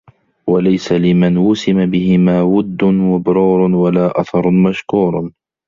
وَلَيْسَ لِمَنْ وُسِمَ بِهِمَا وُدٌّ مَبْرُورٌ وَلَا أَثَرٌ مَشْكُورٌ